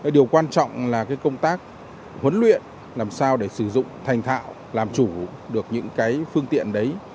điều quan trọng là công tác huấn luyện làm sao để sử dụng thành thạo làm chủ được những phương tiện đấy